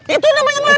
itu namanya meledak